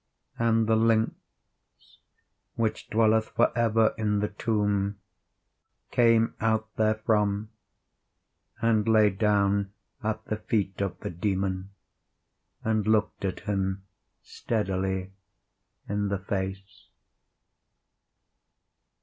And the lynx which dwelleth forever in the tomb, came out therefrom, and lay down at the feet of the Demon, and looked at him steadily in the face.